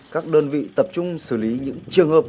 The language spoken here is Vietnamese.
các đơn vị tập trung xử lý những trường hợp